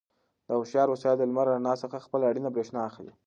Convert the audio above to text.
دا هوښیار وسایل د لمر له رڼا څخه خپله اړینه برېښنا اخلي.